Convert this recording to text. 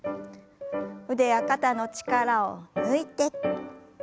腕や肩の力を抜いて。